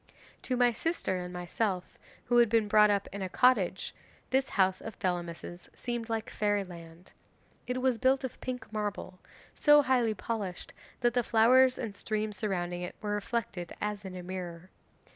'To my sister and myself, who had been brought up in a cottage, this house of Thelamis's seemed like fairyland. It was built of pink marble, so highly polished that the flowers and streams surrounding it were reflected as in a mirror.